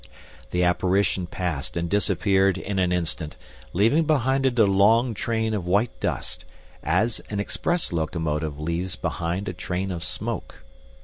The apparition passed and disappeared in an instant, leaving behind it a long train of white dust, as an express locomotive leaves behind a train of smoke.